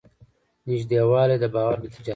نږدېوالی د باور نتیجه ده.